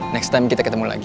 next time kita ketemu lagi